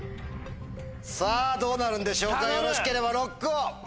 さぁどうなるんでしょうかよろしければＬＯＣＫを。